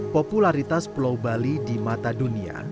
popularitas pulau bali di mata dunia